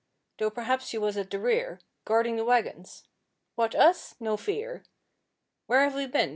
Thought perhaps you was at the rear Guarding the waggons.' 'What, us? No fear! Where have we been?